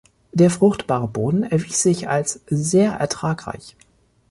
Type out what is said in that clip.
Der fruchtbare Boden erwies sich als sehr ertragreich.